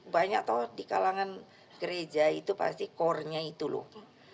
banyak tuh di kalangan gereja itu pasti core nya itu loh